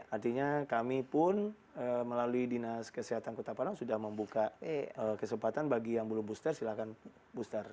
artinya kami pun melalui dinas kesehatan kota padang sudah membuka kesempatan bagi yang belum booster silahkan booster